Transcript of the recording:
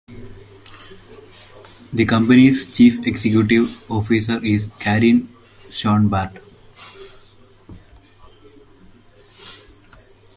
The company's Chief Executive Officer is Karyn Schoenbart.